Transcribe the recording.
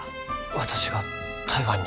私が台湾に？